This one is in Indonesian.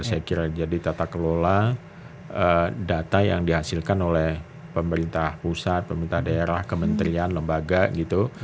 saya kira jadi tata kelola data yang dihasilkan oleh pemerintah pusat pemerintah daerah kementerian lembaga gitu